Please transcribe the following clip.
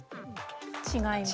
違います。